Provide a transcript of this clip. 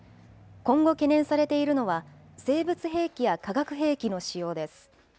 今後、懸念されているのは、生物兵器や化学兵器の使用です。